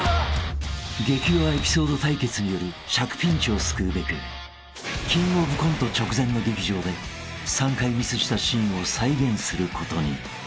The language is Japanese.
［激弱エピソード対決による尺ピンチを救うべくキングオブコント直前の劇場で３回ミスしたシーンを再現することに］